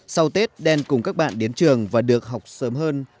sau tết đen cùng các bạn đến trường và được học sớm hơn